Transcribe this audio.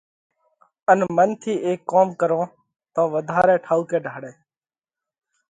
ان منَ ٿِي اي ڪوم ڪرون تو وڌارئہ ٺائُوڪئہ ڍاۯئہ